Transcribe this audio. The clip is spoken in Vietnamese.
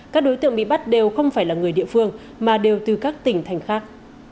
các đối tượng bị bắt đều không phải là người địa phương mà đều từ các tỉnh thành khác